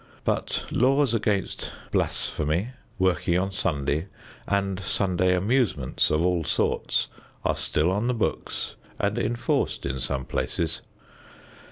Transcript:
But laws against blasphemy, working on Sunday, and Sunday amusements of all sorts, are still on the books and enforced in some places.